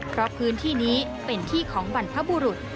เพราะพื้นที่นี้เป็นที่ของบรรพบุรุษ